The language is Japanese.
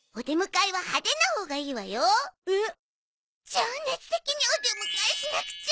情熱的にお出迎えしなくちゃ。